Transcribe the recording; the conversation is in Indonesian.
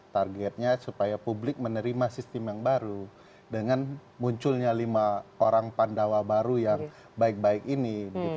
targetnya supaya publik menerima sistem yang baru dengan munculnya lima orang pandawa baru yang baik baik ini